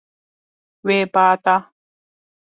Wê ba da.